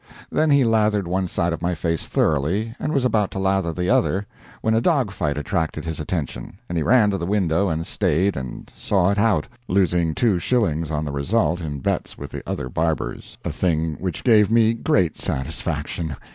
Then he lathered one side of my face thoroughly, and was about to lather the other, when a dog fight attracted his attention, and he ran to the window and stayed and saw it out, losing two shillings on the result in bets with the other barbers, a thing which gave me great satisfaction.